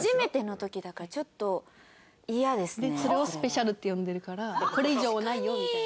それをスペシャルって呼んでるからこれ以上はないよみたいな。